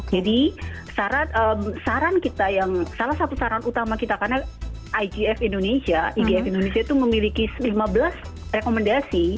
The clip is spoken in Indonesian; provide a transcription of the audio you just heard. jadi salah satu saran utama kita karena igf indonesia itu memiliki lima belas rekomendasi